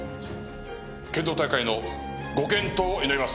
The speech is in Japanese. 剣道大会のご健闘を祈ります。